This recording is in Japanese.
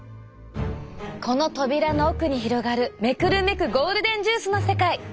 この扉の奥に広がる目くるめくゴールデンジュースの世界。